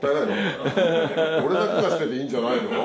俺だけが知ってていいんじゃないの？